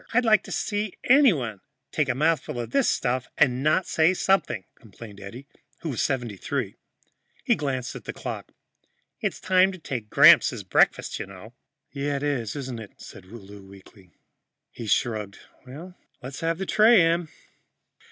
"I'd like to see anybody take a mouthful of this stuff and not say something," complained Eddie, who was 73. He glanced at the clock. "It's time to take Gramps his breakfast, you know." "Yeah, it is, isn't it?" said Lou weakly. He shrugged. "Let's have the tray, Em."